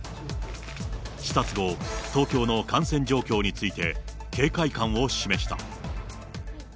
視察後、東京の感染状況について、警戒感を示した。